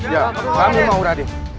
ya kami mau raden